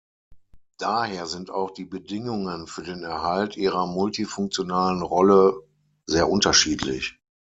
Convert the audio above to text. Daher sind auch die Bedingungen für den Erhalt ihrer multifunktionalen Rolle sehr unterschiedlich.